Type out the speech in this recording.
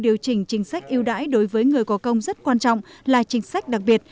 điều chỉnh chính sách yêu đãi đối với người có công rất quan trọng là chính sách đặc biệt